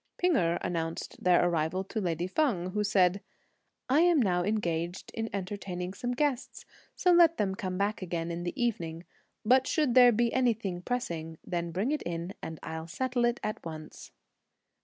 P'ing Erh announced their arrival to lady Feng, who said: "I'm now engaged in entertaining some guests, so let them come back again in the evening; but should there be anything pressing then bring it in and I'll settle it at once."